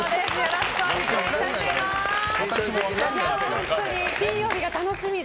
本当に金曜日が楽しみで。